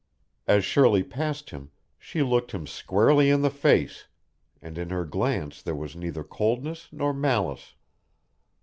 As Shirley passed him, she looked him squarely in the face, and in her glance there was neither coldness nor malice.